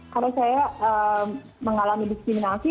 kalau saya mengalami diskriminasi